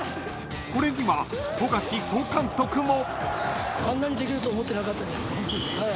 ［これには富樫総監督も］